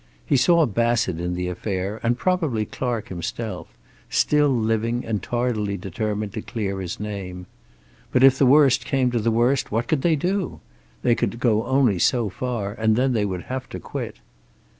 He saw Bassett in the affair, and probably Clark himself, still living and tardily determined to clear his name. But if the worst came to the worst, what could they do? They could go only so far, and then they would have to quit.